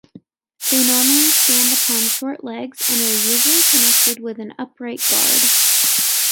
They normally stand upon short legs and are usually connected with an upright guard.